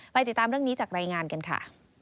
ติดตามเรื่องนี้จากรายงานกันค่ะ